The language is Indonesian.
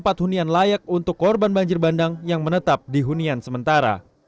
tempat hunian layak untuk korban banjir bandang yang menetap di hunian sementara